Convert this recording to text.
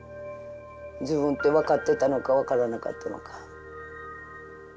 自分って分かってたのか分からなかったのか。